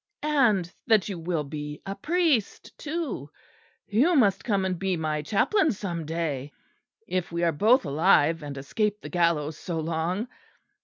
And that you will be a priest, too! You must come and be my chaplain some day; if we are both alive and escape the gallows so long.